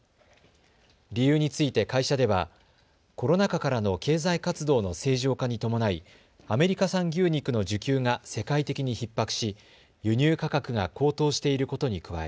理由について会社ではコロナ禍からの経済活動の正常化に伴いアメリカ産牛肉の需給が世界的にひっ迫し輸入価格が高騰していることに加え